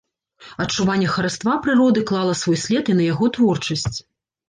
Адчуванне хараства прыроды клала свой след і на яго творчасць.